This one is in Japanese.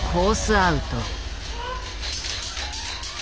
アウト。